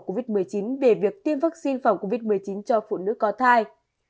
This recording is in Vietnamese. covid một mươi chín về việc tiêm vaccine phòng covid một mươi chín cho phụ nữ có thai